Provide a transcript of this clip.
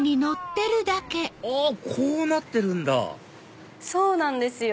あっこうなってるんだそうなんですよ！